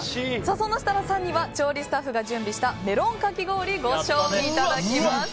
そんな設楽さんには調理スタッフがご用意したメロンかき氷をご賞味いただきます。